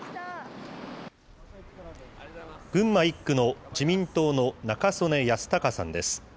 群馬１区の自民党の中曽根康隆さんです。